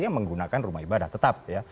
yang menggunakan rumah ibadah tetap ya